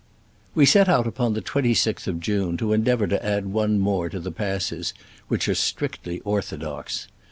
We set out upon the 26th of June to endeavor to add one more to the passes which are strictly orthodox.